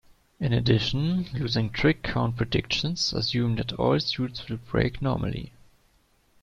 In addition, losing-trick count predictions assume that all suits will break normally.